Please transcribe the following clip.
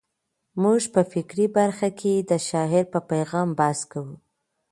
موږ په فکري برخه کې د شاعر په پیغام بحث کوو.